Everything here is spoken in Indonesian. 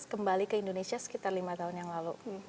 kembali ke indonesia sekitar lima tahun yang lalu